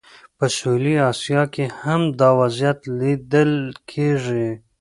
په سویلي اسیا کې هم دا وضعیت لیدل کېږي.